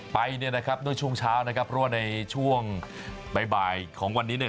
ไปเนี่ยนะครับด้วยช่วงเช้านะครับเพราะว่าในช่วงบ่ายของวันนี้เนี่ย